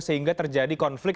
sehingga terjadi konflik